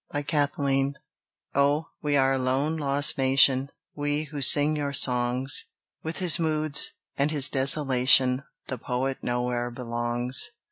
LOST NATION Oh! we are a lone, lost nation, We, who sing your songs. With his moods, and his desolation The poet nowhere belongs.